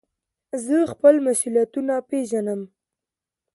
زه خپل مسئولیتونه پېژنم.